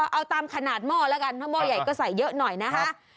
เอาตามขนาดหม้อแล้วกันถ้าหม้อใหญ่ก็ใส่เยอะหน่อยนะคะ